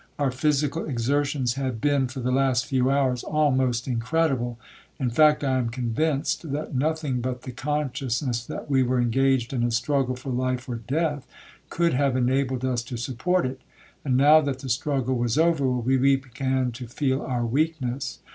Our physical exertions had been, for the last few hours, almost incredible; in fact, I am convinced that nothing but the consciousness that we were engaged in a struggle for life or death, could have enabled us to support it, and now that the struggle was over, we began to feel our weakness.